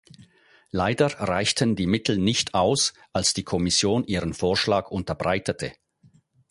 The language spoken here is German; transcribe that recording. Leider reichten die Mittel nicht aus, als die Kommission ihren Vorschlag unterbreitete.